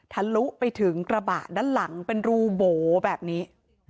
ทะลุไปถึงกระบะด้านหลังเป็นรูโบแบบนี้